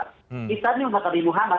di saat ini umat nabi muhammad